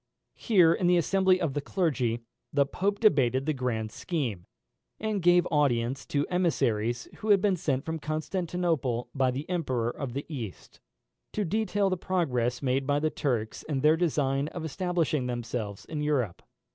Here, in the assembly of the clergy, the Pope debated the grand scheme, and gave audience to emissaries who had been sent from Constantinople by the Emperor of the East, to detail the progress made by the Turks in their design of establishing themselves in Europe.